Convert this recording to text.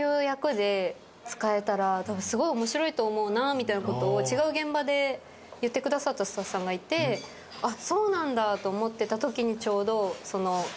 みたいなことを違う現場で言ってくださったスタッフさんがいてそうなんだと思ってたときにちょうど。